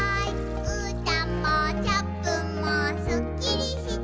「うーたんもチャップンもスッキリして」